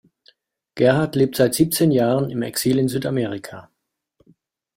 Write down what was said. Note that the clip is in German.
Gerhard lebt seit siebzehn Jahren im Exil in Südamerika.